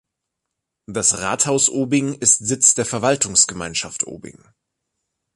Das Rathaus Obing ist Sitz der Verwaltungsgemeinschaft Obing.